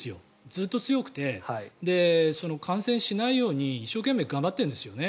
ずっと強くて感染しないように一生懸命頑張ってるんですよね。